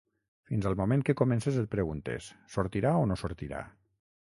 Fins al moment que comences et preguntes: sortirà o no sortirà?